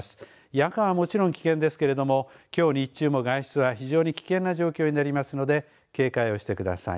夜間はもちろん危険ですけれどもきょう日中も外出は非常に危険な状況になりますので警戒をしてください。